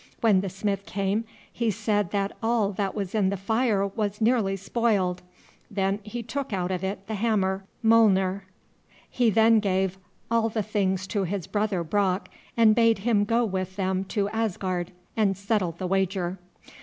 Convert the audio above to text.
When the smith came he said that all that was in the fire was nearly spoiled. Then he took out of it the hammer, Mjolnir. He then gave all the things to his brother Brock, and bade him go with them to Asgard, and settle the wager.